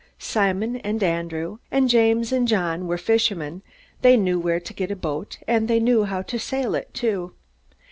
Simon and Andrew and James and John were fishermen. They knew where to get a boat, and they knew how to sail it too.